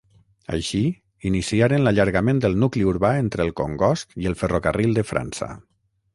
Així, iniciaren l'allargament del nucli urbà entre el Congost i el ferrocarril de França.